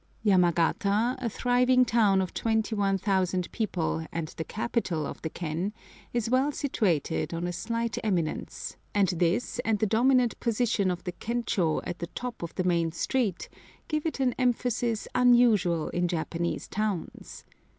Yamagata, a thriving town of 21,000 people and the capital of the ken, is well situated on a slight eminence, and this and the dominant position of the kenchô at the top of the main street give it an emphasis unusual in Japanese towns.